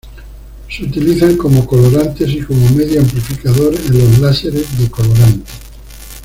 Se utilizan como colorantes y como medio amplificador en los láseres de colorante.